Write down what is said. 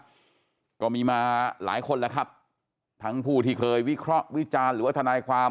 แล้วก็มีมาหลายคนแล้วครับทั้งผู้ที่เคยวิเคราะห์วิจารณ์หรือว่าทนายความ